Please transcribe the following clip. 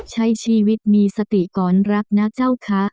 ใช้ชีวิตมีสติก่อนรักนะเจ้าคะ